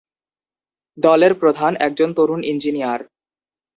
দলের প্রধান একজন তরুণ ইঞ্জিনিয়ার।